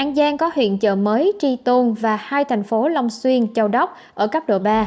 an giang có huyện chợ mới tri tôn và hai thành phố long xuyên châu đốc ở cấp độ ba